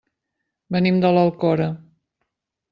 Venim de l'Alcora.